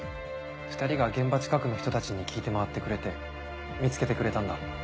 ２人が現場近くの人たちに聞いて回ってくれて見つけてくれたんだ。